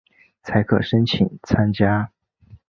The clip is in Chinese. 才可申请参加